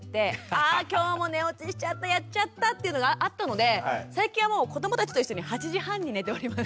あ今日も寝落ちしちゃった「やっちゃった！」というのがあったので最近はもう子どもたちと一緒に８時半に寝ております。